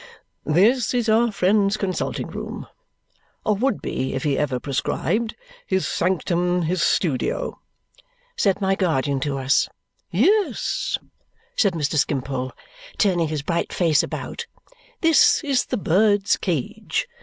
"This is our friend's consulting room (or would be, if he ever prescribed), his sanctum, his studio," said my guardian to us. "Yes," said Mr. Skimpole, turning his bright face about, "this is the bird's cage.